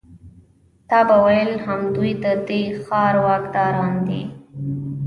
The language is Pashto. تا به ویل همدوی د دې ښار واکداران دي.